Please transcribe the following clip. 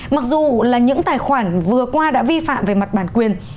mặc dù là những tài khoản vừa qua đã vi phạm về mặt bản quyền